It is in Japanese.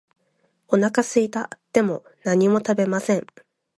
お腹すいた。でも何も食べません。